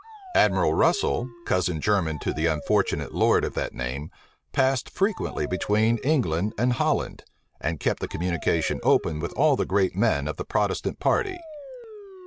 Admiral Russel, cousin german to the unfortunate lord of that name, passed frequently between England and Holland, and kept the communication open with all the great men of the Protestant party.